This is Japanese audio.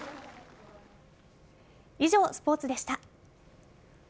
以上、スポーツでした。